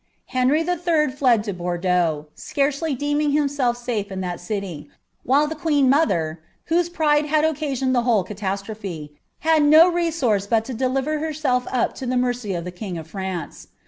Henry IH. fied to BonnlAiu, wairccly deeming himself safe in that city; while the queen mother, whose pride had occasioned the whole catastrophe, had no RMMrce but lo deliver herself up to the mercy of the king of France.